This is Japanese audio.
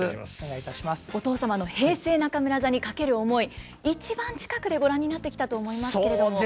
お父様の平成中村座に懸ける思い一番近くでご覧になってきたと思いますけれども。